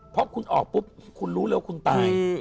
เพราะคุณออกปุ๊บคุณรู้เลยว่าคุณตาย